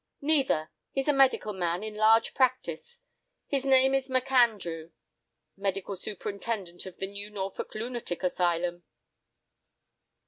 "Neither; he's a medical man in large practice. His name is Macandrew. Medical superintendent of the new Norfolk lunatic asylum."